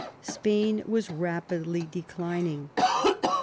Spain was rapidly declining.